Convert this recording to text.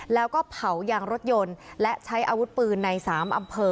แล้วก็เผายางรถยนต์และใช้อาวุธปืนใน๓อำเภอ